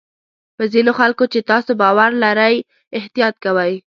په ځینو خلکو چې تاسو باور لرئ احتیاط کوئ.